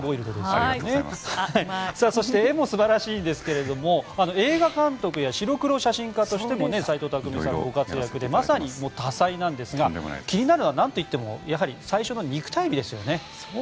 絵も素晴らしいですが映画監督や白黒写真家としても斎藤工さんはご活躍でまさに多才なんですが気になるのは何といっても最初の肉体美ですね。